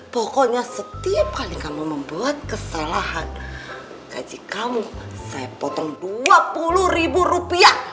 pokoknya setiap kali kamu membuat kesalahan gaji kamu saya potong dua puluh ribu rupiah